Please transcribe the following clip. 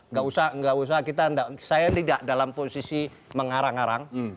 nggak usah nggak usah kita saya tidak dalam posisi mengarang arang